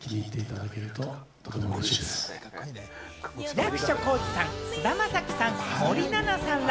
役所広司さん、菅田将暉さん森七菜さんら